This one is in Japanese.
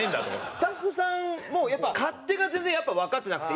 スタッフさんもやっぱ勝手が全然やっぱわかってなくて。